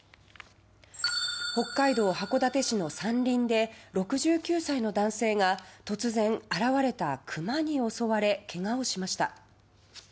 北海道函館市の山林で６９歳の男性が突然、現れたクマに襲われけがをしました。